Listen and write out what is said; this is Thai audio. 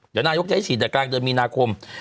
เดี๋ยวนายกจะให้ฉีดแต่กลางเดือนมีนาคม